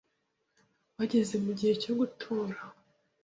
bageze mu gihe cyo gutura